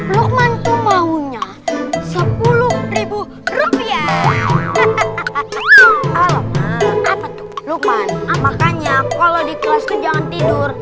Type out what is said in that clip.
lukman makanya kalau di kelas tuh jangan tidur